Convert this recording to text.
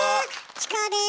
チコです。